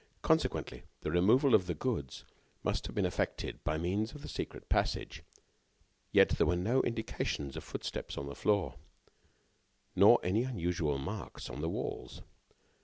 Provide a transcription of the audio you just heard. Consequently, the removal of the goods must have been effected by means of the secret passage. Yet, there were no indications of footsteps on the floor, nor any unusual marks upon the walls.